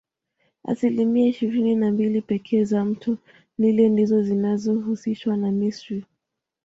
Asilimia ishirini na mbili pekee za mto nile ndizo zinahusishwa na misri